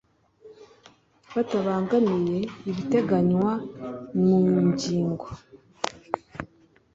Bitabangamiye ibiteganywa mu ingingo